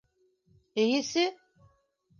Эйесе...